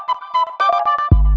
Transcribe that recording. kau mau kemana